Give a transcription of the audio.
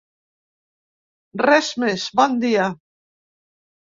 Res més, bon dia!